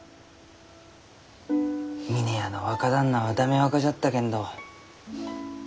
峰屋の若旦那は駄目若じゃったけんど